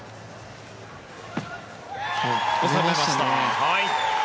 収めました。